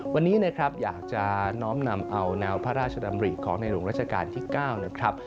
วันนี้นะครับอยากจะน้อมนำเอาแนวพระราชดำริของในหลวงราชการที่๙นะครับ